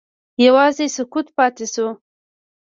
یوازې سکوت پاتې شو.